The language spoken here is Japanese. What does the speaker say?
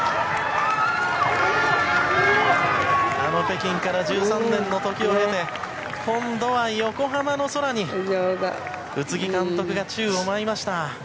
あの北京から１３年の時を経て今度は横浜の空に宇津木監督が宙を舞いました。